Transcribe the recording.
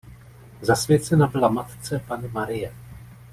Zasvěcena byla matce Panny Marie.